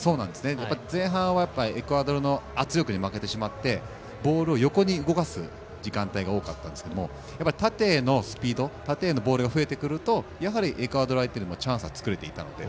前半はエクアドルの圧力に負けてしまってボールを横に動かす時間帯が多かったんですけど縦へのスピード縦へのボールが増えてくるとやはりエクアドル相手にもチャンスは作れていたので。